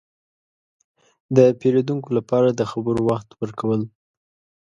– د پېرودونکو لپاره د خبرو وخت ورکول.